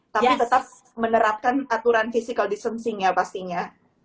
tapi tetap menerapkan aturan physical distancing ya pastinya